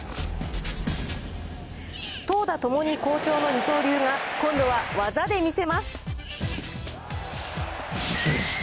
投打ともに好調の二刀流が、今度は技で見せます。